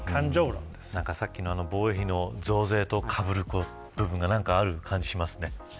さっきの防衛費の増税とかぶる部分がある感じがしますね。